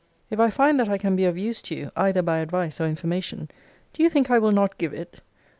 If I find that I can be of use to you, either by advice or information, do you think I will not give it!